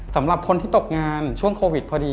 สำหรับคนที่ตกงานช่วงโควิดพอดี